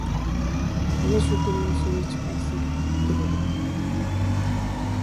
يەنە شۇ كۆلنىڭ سۈيىنى ئېچىپ ئەسلىگە كېلىدۇ.